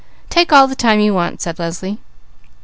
"Take all the time you want," said Leslie.